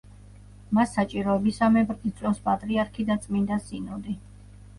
მას საჭიროებისამებრ იწვევს პატრიარქი და წმინდა სინოდი.